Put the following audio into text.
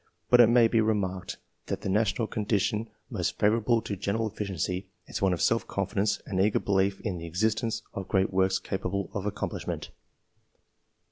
But it may be remarked, that the national condition most favourable to general efficiency is one of self confidence and eager belief in the existence of great works capable of accomplishment.